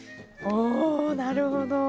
おなるほど。